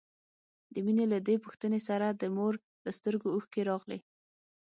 د مينې له دې پوښتنې سره د مور له سترګو اوښکې راغلې.